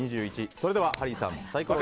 それではハリーさん